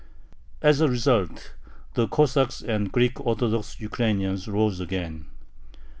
As a result, the Cossacks and Greek Orthodox Ukrainians rose again.